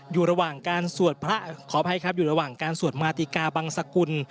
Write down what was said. อยู่ระหว่างการสวดพระขออภัยครับอยู่ระหว่างการสวดมาติกาบังสกุล